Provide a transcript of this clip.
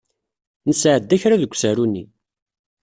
Nesɛedda kra deg usaru-nni.